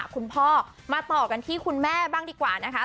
คุณพ่อมาต่อกันที่คุณแม่บ้างดีกว่านะคะ